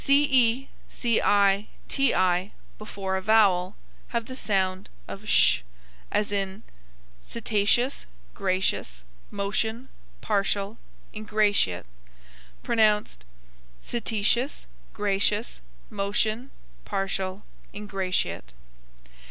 CE, CI, TI, before a vowel, have the sound of sh; as in cetaceous, gracious, motion, partial, ingratiate; pronounced cetashus, grashus, moshun, parshal, ingrashiate.